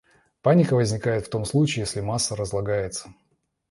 Паника возникает в том случае, если масса разлагается.